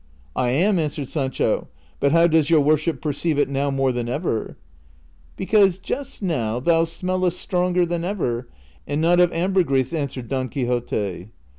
" I am," answered Sancho ;" but how does your worship perceive it now more than ever ?"" Because just now thou sniellest stronger than ever, and not of ambergris," answered Don Quixote.